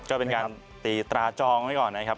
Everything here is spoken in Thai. ก็เป็นการตีตราจองไว้ก่อนนะครับ